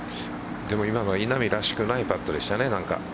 今のは稲見らしくないパットでした。